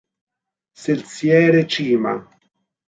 Selziere Cima.